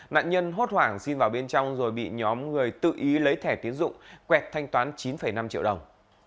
nạn nhân hốt hoảng xin vào bên trong rồi bị nhóm người tự ý lấy thẻ tiến dụng quẹt thanh toán chín năm triệu đồng